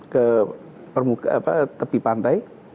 ke tepi pantai